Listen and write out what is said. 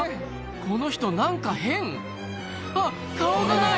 この人何か変あっ顔がない！